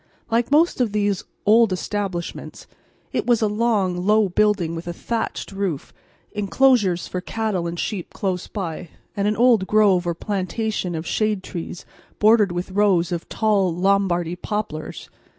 Like most of these old establishments, it was a long low building with a thatched roof, enclosures for cattle and sheep close by, and an old grove or plantation of shade trees bordered with rows of tall Lombardy poplars.